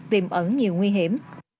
tìm ẩn nhiều nguy hiểm